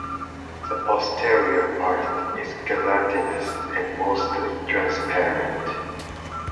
The posterior part is gelatinous and mostly transparent.